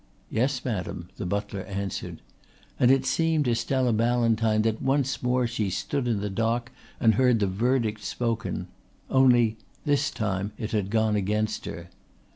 "Yes, madam," the butler answered; and it seemed to Stella Ballantyne that once more she stood in the dock and heard the verdict spoken. Only this time it had gone against her.